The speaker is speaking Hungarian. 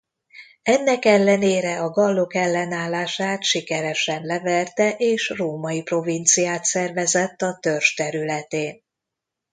Ennek ellenére a gallok ellenállását sikeresen leverte és római provinciát szervezett a törzs területén.